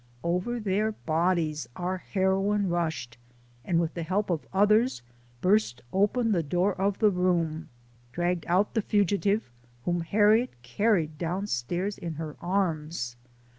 Over their bodies our heroine rushed, and with the help of others burst open the door of the room, dragged out the fugitive, whom Harriet carried down stairs in her arms.